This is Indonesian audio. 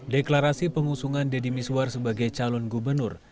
deklarasi pengusungan dedy mizwar sebagai calon gubernur